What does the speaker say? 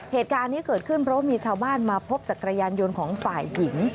เหตุการณ์นี้เกิดขึ้นเพราะว่ามีชาวบ้านมาพบจักรยานยนต์ของฝ่ายหญิง